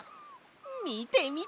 みてみて！